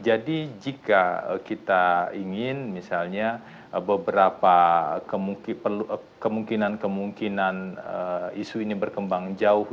jadi jika kita ingin misalnya beberapa kemungkinan kemungkinan isu ini berkembang jauh